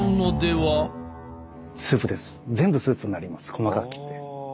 細かく切って。